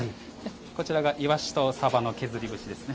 こちらが、いわしとさばの削り節ですね。